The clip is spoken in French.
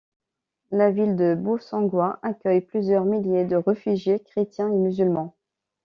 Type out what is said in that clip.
La ville de Bossangoa accueille plusieurs milliers de réfugiés chrétiens et musulmans.